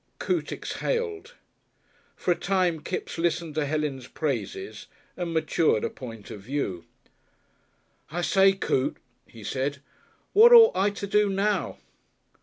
Coote exhaled. For a time Kipps listened to Helen's praises and matured a point of view. "I say, Coote," he said. "What ought I to do now?"